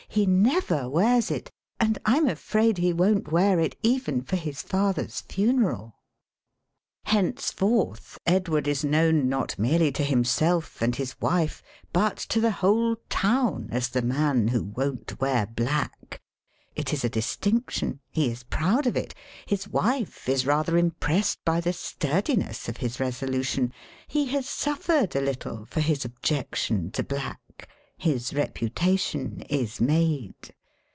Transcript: He never wears it, and Fm afraid he won't wear it even for his father's funeral." Henceforth Edward is known not merely to himself and his wife but to the whole town as the man who won't wear black. It is a distinction. He is proud of it. His wife is rather impressed by the sturdiness of his resolution. He has suf fered a little for his objection to black. His reputation is made.